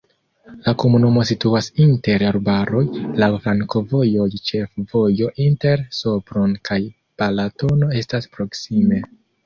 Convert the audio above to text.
La komunumo situas inter arbaroj, laŭ flankovojoj, ĉefvojo inter Sopron kaj Balatono estas proksime.